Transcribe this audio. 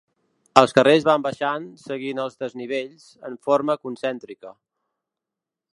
Els carrers van baixant, seguint els desnivells, en forma concèntrica.